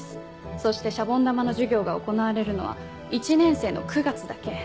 そしてシャボン玉の授業が行われるのは１年生の９月だけ。